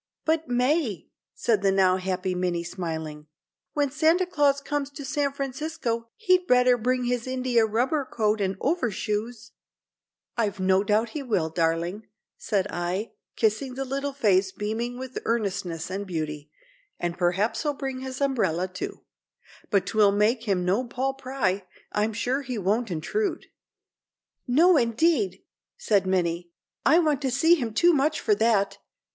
"But, May," said the now happy Minnie, smiling; "when Santa Claus comes to San Francisco he'd better bring his India rubber coat and overshoes." "I've no doubt he will, darling," said I, kissing the little face beaming with earnestness and beauty; "and perhaps he'll bring his umbrella, too, but 'twill make him no Paul Pry—I'm sure he won't intrude." "No, indeed," said Minnie, "I want to see him too much for that.